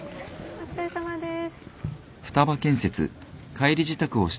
お疲れさまです。